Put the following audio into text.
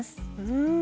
うん。